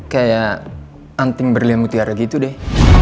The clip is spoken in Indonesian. kayak anting berlian mutiara gitu deh